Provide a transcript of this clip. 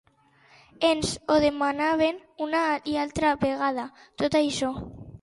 Ens ho demanàvem una i altra vegada, tot això.